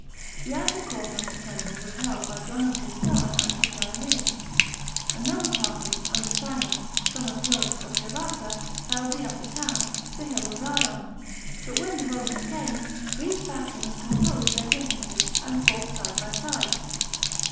The outer court of the Temple was held by John of Giscala and his Galileans. Another party, under Simon, son of Gioras, of Gerasa, held the upper town, the hill of Zion. But when the Romans came, these factions composed their differences, and fought side by side.